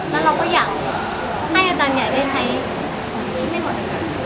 แล้วเราก็อยากให้อาจารย์อาจารย์ได้ใช้ของที่ไม่หมด